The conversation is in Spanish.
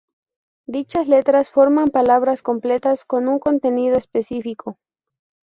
Dichas letras forman palabras completas con un contenido específico.